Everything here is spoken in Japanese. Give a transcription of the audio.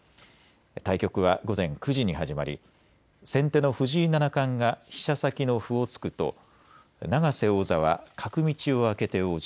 対局は午前９時に始まり先手の藤井七冠が飛車先の歩を突くと永瀬王座は角道を開けて応じ